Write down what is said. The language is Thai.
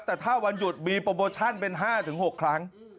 แต่ถ้าวันหยุดมีโปรโมชั่นเป็น๕๖ครั้ง